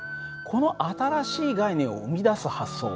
この新しい概念を生み出す発想。